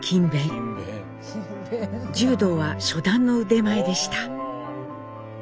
柔道は「初段」の腕前でした。